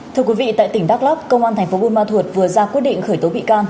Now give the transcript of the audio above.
thưa quý vị tại tỉnh đắk lắc công an thành phố buôn ma thuột vừa ra quyết định khởi tố bị can